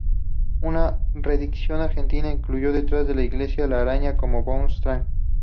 Una reedición argentina incluyó "Detrás de la iglesia" y "La araña" como "bonus track".